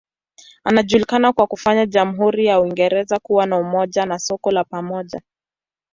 Anajulikana kwa kufanya jamhuri ya Uingereza kuwa na umoja na soko la pamoja.